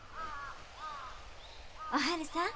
おはるさん。